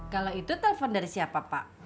kalau itu telpon dari siapa pak